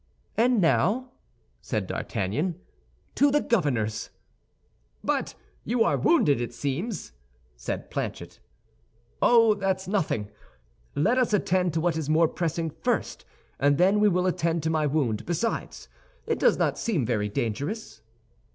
"And now," said D'Artagnan, "to the Governor's." "But you are wounded, it seems," said Planchet. "Oh, that's nothing! Let us attend to what is more pressing first, and then we will attend to my wound; besides, it does not seem very dangerous."